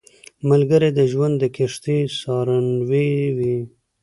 ملګری د ژوند د کښتۍ سارنوی وي